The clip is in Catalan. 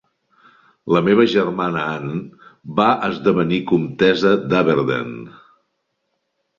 La seva germana Anne va esdevenir comtessa d'Aberdeen.